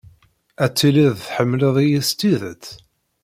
Ad tilid tḥemmled-iyi s tidet.